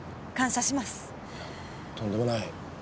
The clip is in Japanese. とんでもない。